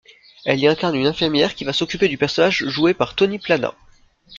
Elle y incarne une infirmière qui va s'occuper du personnage joué par Tony Plana.